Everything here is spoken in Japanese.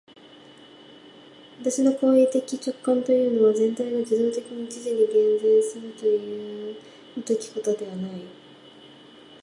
私の行為的直観というのは、全体が受働的に一時に現前するなどいう如きことではない。